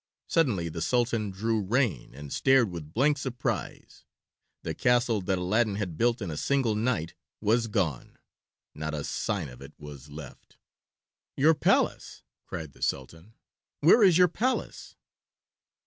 Suddenly the Sultan drew rein and stared with blank surprise. The castle that Aladdin had built in a single night was gone. Not a sign of it was left. "Your palace!" cried the Sultan. "Where is your palace?"